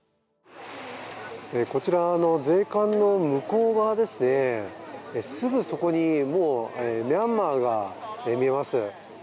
こちら、税関の向こう側ですね、すぐそこにもうミャンマーが見えます。